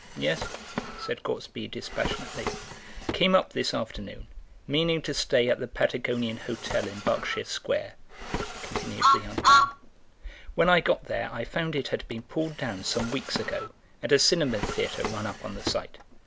"Yes?" said Gortsby dispassionately. "Came up this afternoon, meaning to stay at the Patagonian Hotel in Berkshire Square," continued the young man; "when I got there I found it had been pulled down some weeks ago and a cinema theatre run up on the site.